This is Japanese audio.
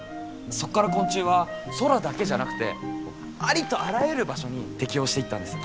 そこから昆虫は空だけじゃなくてありとあらゆる場所に適応していったんです。